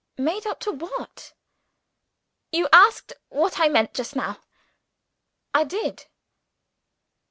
"Made up to what?" "You asked what I meant, just now." "I did."